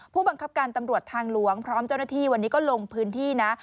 ผู้บังคับการตำรวจทางหลวงพร้อมเจ้าหน้าที่วันนี้ก็ลงพื้นที่นะ